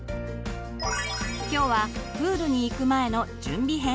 今日はプールに行く前の準備編。